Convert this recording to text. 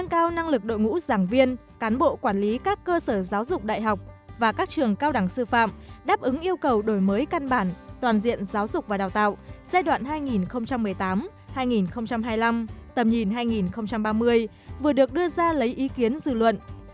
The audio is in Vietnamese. các giảng viên cán bộ quản lý các cơ sở giáo dục đại học và các trường cao đẳng sư phạm đáp ứng yêu cầu đổi mới căn bản toàn diện giáo dục và đào tạo giai đoạn hai nghìn một mươi tám hai nghìn hai mươi năm hai nghìn ba mươi vừa được đưa ra lấy ý kiến dư luận